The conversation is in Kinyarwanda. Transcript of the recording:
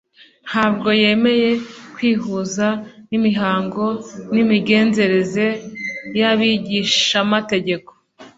ntabwo yemeye kwihuza n'imihango n'imigenzereze y'abigishamategeko.